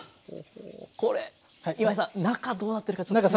これ今井さん中どうなってるかちょっと。